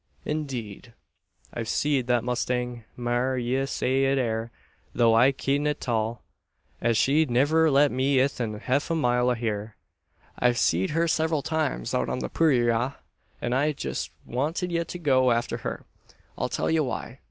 "Indeed!" "I've seed that mustang maar, ye say it air, though I kedn't tell, as she'd niver let me 'ithin hef a mile o' her. I've seed her several times out on the purayra, an I jest wanted ye to go arter her. I'll tell ye why.